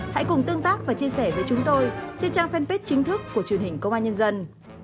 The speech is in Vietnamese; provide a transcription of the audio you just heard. hãy cùng tương tác và chia sẻ với chúng tôi trên trang fanpage chính thức của truyền hình công an nhân dân